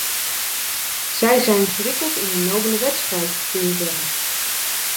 Zij zijn gewikkeld in een nobele wedstrijd, kun je zeggen.